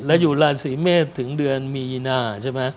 แล้วอยู่ราศีเมษถึงเดือนมีนาใช่ไหม